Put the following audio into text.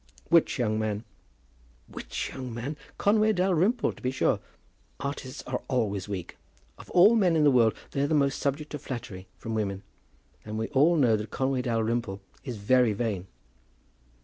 "Which young man?" "Which young man! Conway Dalrymple to be sure. Artists are always weak. Of all men in the world they are the most subject to flattery from women; and we all know that Conway Dalrymple is very vain."